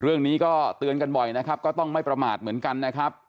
เรื่องนี้ก็เตือนกันบ่อยนะครับก็ต้องไม่ประมาทเหมือนกันนะครับ